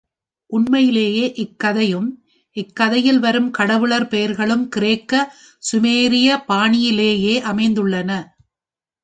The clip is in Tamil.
உண்மையிலேயே இக்கதையும், இக் கதையில் வரும் கடவுளர் பெயர்களும் கிரேக்க, சுமேரிய பாணியிலேயே அமைந்துள்ளன.